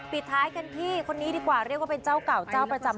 ปิดท้ายกันที่คนนี้ดีกว่าเรียกว่าเป็นเจ้าเก่าเจ้าประจำ